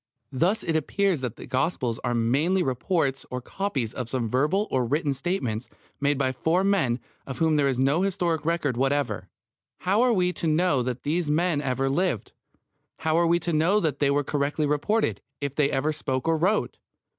Thus it appears that the Gospels are merely reports or copies of some verbal or written statements made by four men of whom there is no historic record whatever. How are we to know that these men ever lived? How are we to know that they were correctly reported, if they ever spoke or wrote?